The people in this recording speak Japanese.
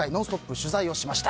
取材をしました。